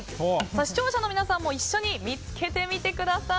視聴者の皆さんも一緒に見つけてみてください。